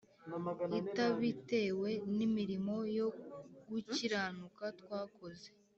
itabitewe n’imirimo yo gukiranuka twakoze